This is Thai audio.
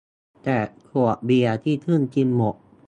แจกขวดเบียร์ที่เพิ่งกินหมด